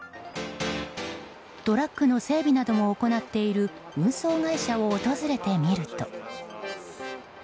トラックの整備なども行っている運送会社を訪れてみると。